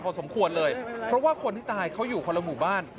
เพราะว่าคนที่ตายเขาอยู่คนละหมู่บ้าน